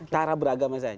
cara beragama saya